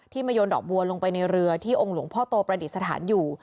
มาโยนดอกบัวลงไปในเรือที่องค์หลวงพ่อโตประดิษฐานอยู่